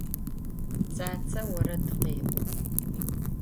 Цацэ орэд къеӏо.